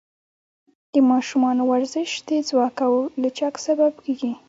د ماشومانو ورزش د ځواک او لچک سبب دی.